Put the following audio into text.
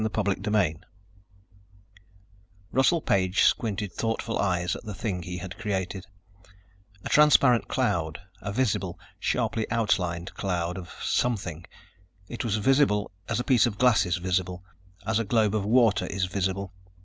CHAPTER TWO Russell Page squinted thoughtful eyes at the thing he had created a transparent cloud, a visible, sharply outlined cloud of something. It was visible as a piece of glass is visible, as a globe of water is visible.